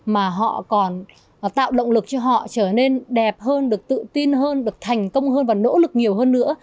mà họ còn tạo động lực cho họ trở nên đẹp hơn được tự tin hơn được thành công hơn và nỗ lực nhiều hơn nữa